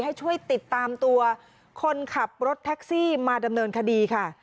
ให้ช่วยติดตามตัวคนขับรถแท็กซี่มาดำเนินคดีค่ะ